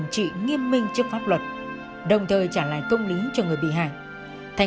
ghiền mì gõ để không bỏ lỡ những video hấp dẫn